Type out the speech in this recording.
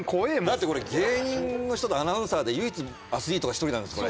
だってこれ芸人の人とアナウンサーで唯一アスリートが１人なんです。